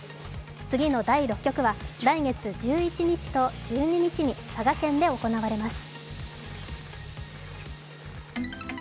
次の第６局は来月１１日と１２日に佐賀県で行われます。